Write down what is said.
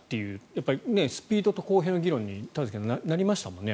やっぱりスピードと公平の議論に田崎さん、なりましたもんね